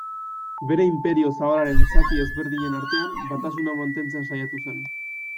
Bere inperio zabalaren zati ezberdinen artean batasuna mantentzen saiatu zen.